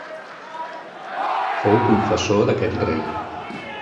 Fou confessor d'aquest rei.